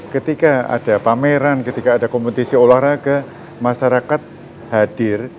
ketika ada pameran ketika ada kompetisi olahraga masyarakat hadir